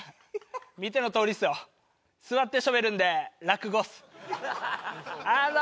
見てのとおりっすよ座ってしゃべるんで落語っすあの